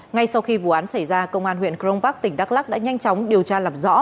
ngay sau khi vụ án xảy ra công an huyện crong park tỉnh đắk lắc đã nhanh chóng điều tra làm rõ